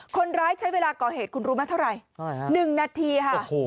คนร้ายใช้เวลาก่อเหตุคุณรู้ไหมเท่าไหร่๑นาทีค่ะ